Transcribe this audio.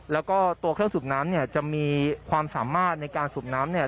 แล้วก็ตัวเครื่องสูบน้ำเนี่ยจะมีความสามารถในการสูบน้ำเนี่ย